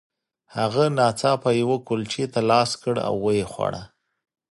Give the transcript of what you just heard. هغه ناڅاپه یوې کلچې ته لاس کړ او ویې خوړه